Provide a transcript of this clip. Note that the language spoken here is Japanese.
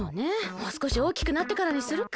もうすこしおおきくなってからにするか。